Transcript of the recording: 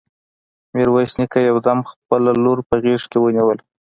ميرويس نيکه يو دم خپله لور په غېږ کې ونيوله.